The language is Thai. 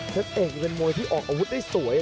เอกเป็นมวยที่ออกอาวุธได้สวย